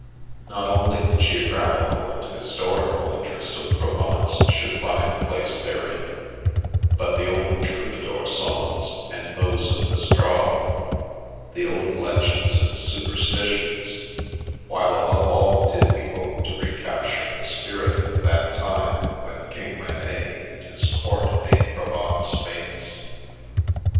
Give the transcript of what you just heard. Not only the geographical and his torical interest of Provence should find place therein, but the old troubadour songs and those of Mistral, the old legends and superstitions, while above all did we hope to recapture the spirit of that time when King Rene and his court made Provence famous.